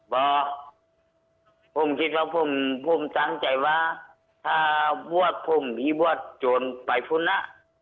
บอกผมคิดว่าผมตั้งใจว่าถ้าบวชผมผีบวชจนไปฟุนะ